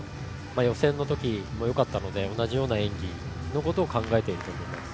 予選のときよかったので同じような演技のことを考えていると思います。